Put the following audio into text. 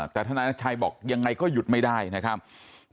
แต่ทนายนัชชัยบอกยังไงก็หยุดไม่ได้นะครับ